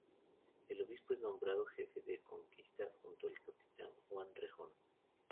El obispo es nombrado jefe de la conquista junto al capitán Juan Rejón.